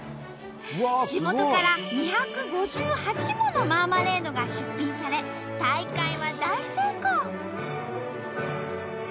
地元から２５８ものマーマレードが出品され大会は大成功！